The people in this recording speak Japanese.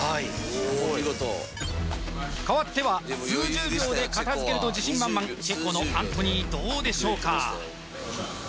お見事変わっては数十秒で片づけると自信満々チェコのアントニーどうでしょうか？